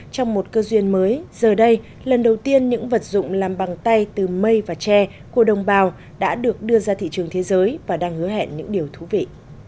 trong một cơ duyên mới giờ đây lần đầu tiên những vật dụng làm bằng tay từ mây và tre của đồng bào đã được đưa ra thị trường thế giới và đang hứa hẹn những điều thú vị